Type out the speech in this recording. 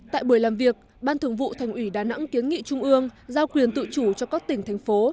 tại buổi làm việc ban thường vụ thành ủy đà nẵng kiến nghị trung ương giao quyền tự chủ cho các tỉnh thành phố